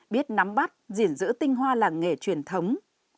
biết nắm bắt diễn giữ tinh hoa làng nghề truyền thống